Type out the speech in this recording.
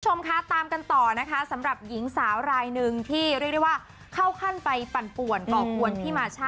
คุณผู้ชมคะตามกันต่อนะคะสำหรับหญิงสาวรายหนึ่งที่เรียกได้ว่าเข้าขั้นไปปั่นป่วนก่อกวนพี่มาช่า